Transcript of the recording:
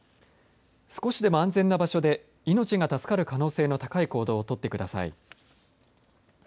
少しでも安全な場所で命が助かる可能性の高い行動を取ってください。